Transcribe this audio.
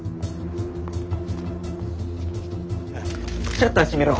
シャッター閉めろ。